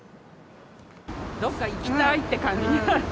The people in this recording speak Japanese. どこか行きたいって感じ。